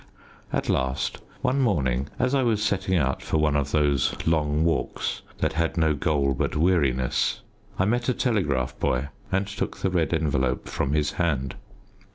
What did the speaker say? At last, one morning as I was setting out for one of those long walks that had no goal but weariness, I met a telegraph boy, and took the red envelope from his hand.